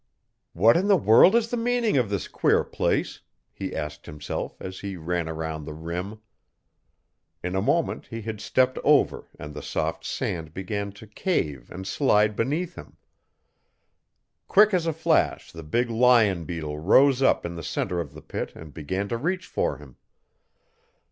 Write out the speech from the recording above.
'What in the world is the meaning of this queer place?' he asked himself as he ran around the rim. In a moment he had stepped over and the soft sand began to cave and slide beneath him. Quick as a flash the big lion beetle rose up in the centre of the pit and began to reach for him.